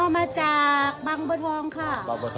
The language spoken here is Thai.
อ๋อมาจากบังบดฮองค่ะ